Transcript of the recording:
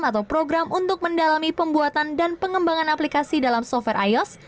atau program untuk mendalami pembuatan dan pengembangan aplikasi dalam software ios